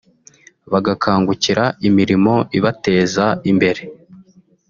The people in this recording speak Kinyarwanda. bagakangukira imirimo ibateza imbere